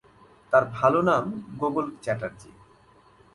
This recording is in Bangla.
তার ভাল নাম গোগোল চ্যাটার্জী।